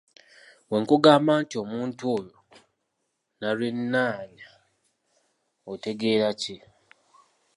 Bwe nkugamba nti omuntu oyo nnalwenaanya otegeera ki?